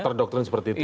terdoktrin seperti itu ya